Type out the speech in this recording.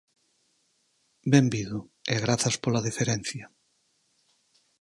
Benvido, e grazas pola deferencia.